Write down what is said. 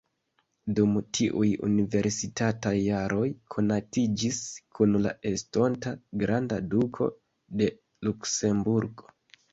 Dum tiuj universitataj jaroj konatiĝis kun la estonta granda duko de Luksemburgo.